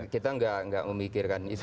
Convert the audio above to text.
kita nggak memikirkan itu